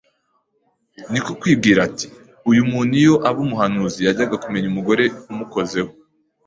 niko kwibwira ati : "Uyu muntu iyo aba umuhanuzi yajyaga kumenya umugore umukozeho